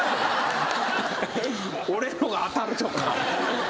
俺のが当たるとか。